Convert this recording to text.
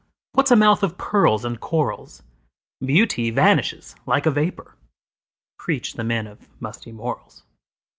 What 's a mouth of pearls and corals? Beauty vanishes like a vapor, Preach the men of musty morals!